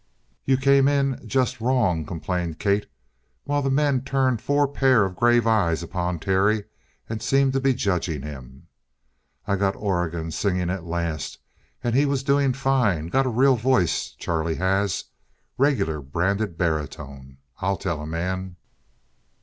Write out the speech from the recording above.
"You came in just wrong," complained Kate, while the men turned four pairs of grave eyes upon Terry and seemed to be judging him. "I got Oregon singing at last, and he was doing fine. Got a real voice, Charlie has. Regular branded baritone, I'll tell a man."